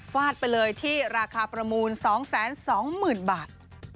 ฟาดไปเลยที่ราคาประมูล๒๒๐๐๐บาท